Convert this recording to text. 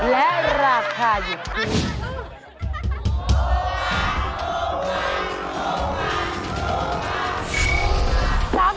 และราคาอยู่ที่